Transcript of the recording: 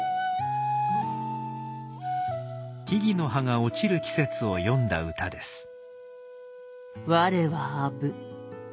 木々の葉が落ちる季節を詠んだ歌です。